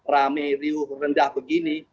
rame riuh rendah begini